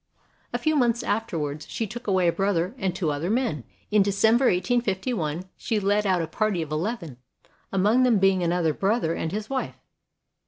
A few months afterwards she took away a brother and two other men. In De cember, 1851, she led out a party of eleven, among them being another brother and his wife.